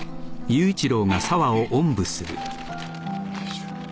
よいしょ。